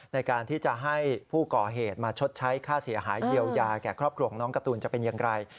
ในการที่จะให้ผู้ก่อเหตุมาชดใช้ค่าเสียหายเยียวยาแก่ครอบครัวของน้องการ์ตูนจะเป็นอย่างไร